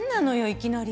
いきなり。